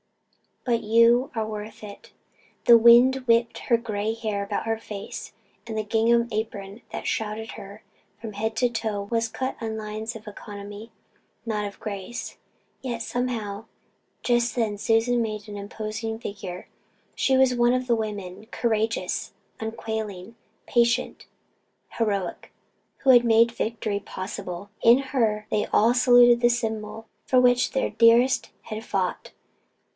But you are worth it!" The wind whipped her grey hair about her face and the gingham apron that shrouded her from head to foot was cut on lines of economy, not of grace; yet, somehow, just then Susan made an imposing figure. She was one of the women courageous, unquailing, patient, heroic who had made victory possible. In her, they all saluted the symbol for which their dearest had fought.